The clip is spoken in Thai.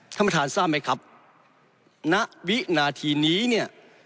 ท่านประธานทราบไหมครับณวินาทีนี้เนี่ย